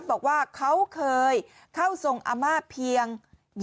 โอ้ยโอ้ยโอ้ยโอ้ยโอ้ย